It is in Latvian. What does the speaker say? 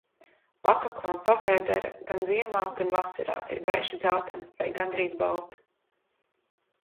Pakakle un pavēdere gan ziemā, gan vasarā ir gaiši dzeltena vai gandrīz balta.